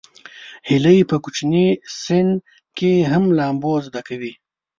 هیلۍ په کوچني سن کې هم لامبو زده کوي